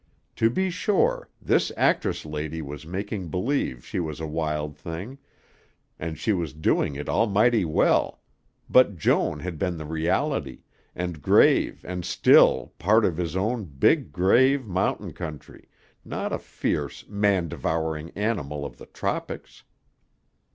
To be sure, this "actress lady" was making believe she was a wild thing, and she was doing it almighty well, but Joan had been the reality, and grave and still, part of his own big, grave, mountain country, not a fierce, man devouring animal of the tropics.